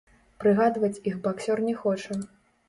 Прыгадваць іх баксёр не хоча.